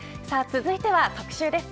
続いては特集です。